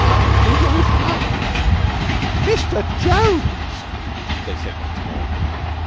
I leave your roof to night." "Mr. Jones!" they said once more.